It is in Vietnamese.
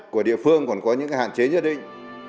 của địa phương còn có những hạn chế nhất định